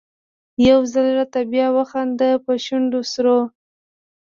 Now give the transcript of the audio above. يو ځل راته بیا وخانده په شونډو سرو